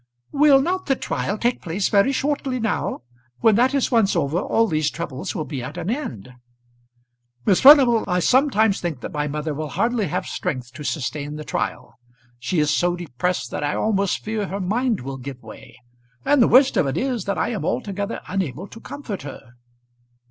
"Will not the trial take place very shortly now? When that is once over all these troubles will be at an end." "Miss Furnival, I sometimes think that my mother will hardly have strength to sustain the trial. She is so depressed that I almost fear her mind will give way; and the worst of it is that I am altogether unable to comfort her."